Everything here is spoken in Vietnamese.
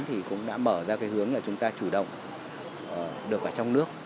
thì cũng đã mở ra cái hướng là chúng ta chủ động được ở trong nước